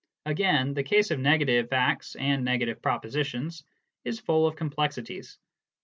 Again, the case of negative facts and negative propositions is full of complexities.